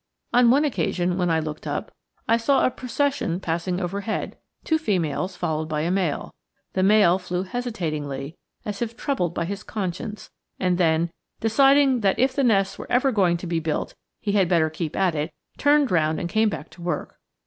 On one occasion, when I looked up I saw a procession passing overhead two females followed by a male. The male flew hesitatingly, as if troubled by his conscience, and then, deciding that if the nest was ever going to be built he had better keep at it, turned around and came back to work.